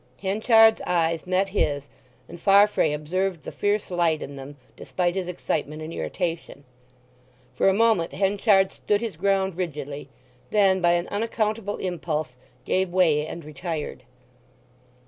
Henchard's eyes met his, and Farfrae observed the fierce light in them despite his excitement and irritation. For a moment Henchard stood his ground rigidly; then by an unaccountable impulse gave way and retired.